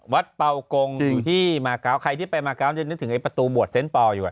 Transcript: วัดเปาโกงจริงอยู่ที่มาเกาะใครที่ไปมาเกาะจะนึกถึงไอ้ประตูบวชเซ็นต์ปอลอยู่อ่ะ